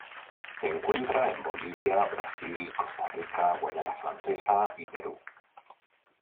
Se encuentra en Bolivia, Brasil, Costa Rica, Guayana Francesa y Perú.